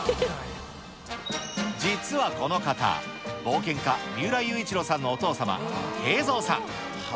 実はこの方、冒険家、三浦雄一郎さんのお父様、敬三さん。